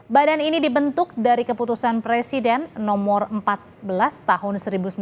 badan ini dibentuk dari keputusan presiden nomor empat belas tahun seribu sembilan ratus sembilan puluh